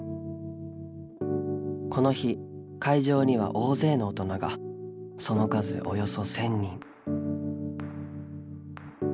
この日会場には大勢の大人がその数およそ１，０００人。